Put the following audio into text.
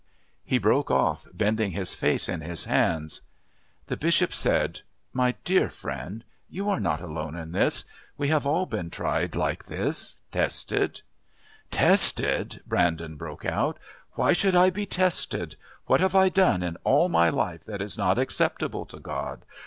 He broke off, bending his face in his hands. The Bishop said: "My dear friend, you are not alone in this. We have all been tried, like this tested " "Tested!" Brandon broke out. "Why should I be tested? What have I done in all my life that is not acceptable to God?